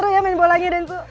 aduh seru ya main bolanya densu